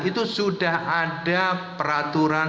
itu sudah ada peraturan